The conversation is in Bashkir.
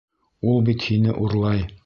Ул бит һине урлай!